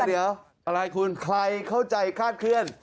เดี๋ยวอะไรคุณใครเข้าใจคาดเคลื่อน